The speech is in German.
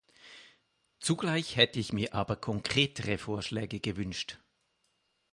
Zugleich hätte ich mir aber konkretere Vorschläge gewünscht.